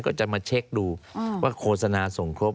ก็จะมาเช็คดูว่าโฆษณาส่งครบ